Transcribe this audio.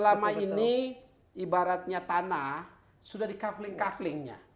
selama ini ibaratnya tanah sudah di coupling couplingnya